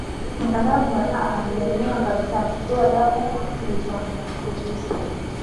Aghalabu, alielemewa kabisa na kupewa dawa zilizomtuliza